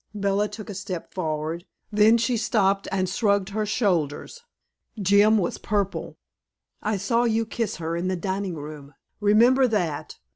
Bella took a step forward; then she stopped and shrugged her shoulders. Jim was purple. "I saw you kiss her in the dining room, remember that!"